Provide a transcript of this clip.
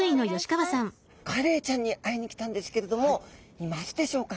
カレイちゃんに会いに来たんですけれどもいますでしょうか？